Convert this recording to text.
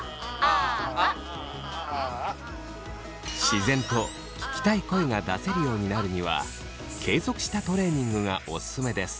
自然と聞きたい声が出せるようになるには継続したトレーニングがオススメです。